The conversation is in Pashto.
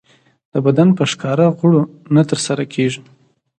د بدن په ښکاره غړو نه ترسره کېږي.